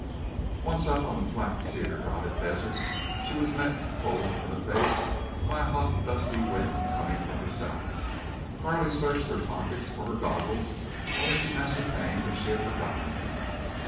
Once up on the flat cedar dotted desert she was met, full in the face, by a hot dusty wind coming from the south. Carley searched her pockets for her goggles, only to ascertain that she had forgotten them.